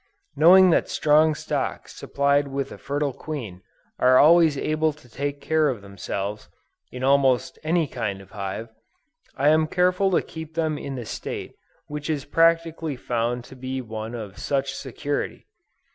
Knowing that strong stocks supplied with a fertile queen, are always able to take care of themselves, in almost any kind of hive, I am careful to keep them in the state which is practically found to be one of such security.